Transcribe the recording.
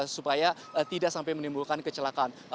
supaya tidak sampai menimbulkan kecelakaan